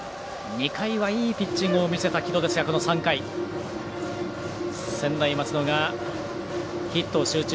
２回はいいピッチングを見せた城戸ですがこの３回、専大松戸がヒットを集中。